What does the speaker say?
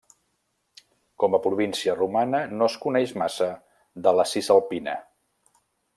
Com a província romana no es coneix massa de la Cisalpina.